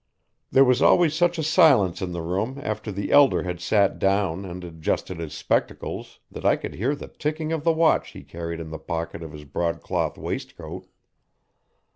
There was always such a silence in the room after the elder had sat down and adjusted his spectacles that I could hear the ticking of the watch he carried in the pocket of his broadcloth waistcoat.